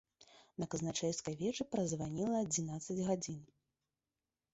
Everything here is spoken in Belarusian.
На казначэйскай вежы празваніла адзінаццаць гадзін.